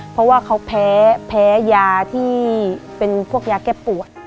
เพราะว่าเขาแพ้ยาที่เป็นพวกยาแก้ปวด